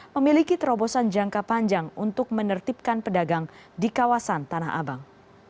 memiliki terobosan jangka panjang untuk menertibkan pedagang di kawasan tanah abang